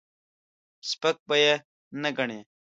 سپک به یې نه ګڼې.